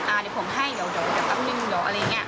อ่าเดี๋ยวผมให้เดี๋ยวแป๊บหนึ่งอะไรอย่างนี้